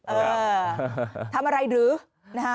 เออทำอะไรหรือนะฮะ